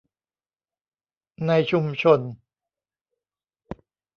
ในชุมชน